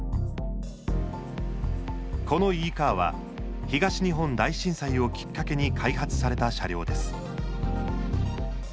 このＥカーは東日本大震災をきっかけに開発された車両です。